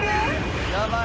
やばい！